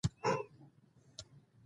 چې د دوی هرې غوښتنې ته لبیک ووایي.